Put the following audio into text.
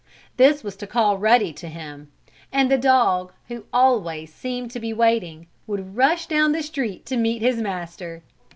This was to call Ruddy to him, and the dog, who always seemed to be waiting, would rush down the street to meet his master.